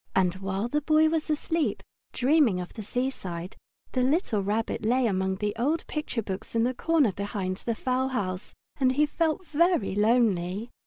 And while the Boy was asleep, dreaming of the seaside, the little Rabbit lay among the old picture books in the corner behind the fowl house, and he felt very lonely.